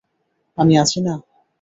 আমি আছি না।